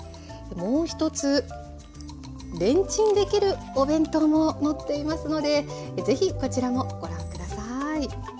もう一つレンチンできるお弁当も載っていますので是非こちらもご覧下さい。